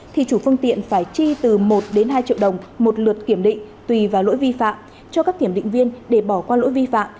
thì chủ phương tiện phải chi từ một đến hai triệu đồng một lượt kiểm định tùy vào lỗi vi phạm cho các kiểm định viên để bỏ qua lỗi vi phạm